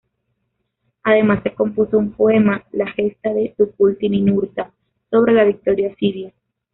Además, se compuso un poema, "La gesta de Tukulti-Ninurta", sobre la victoria asiria.